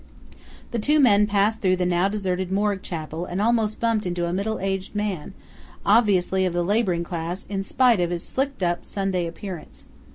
The two men passed through the now deserted morgue chapel and almost bumped into a middle aged man, obviously of the laboring class in spite of his slicked up, Sunday appearance.